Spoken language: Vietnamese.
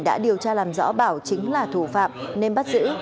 đã điều tra làm rõ bảo chính là thủ phạm nên bắt giữ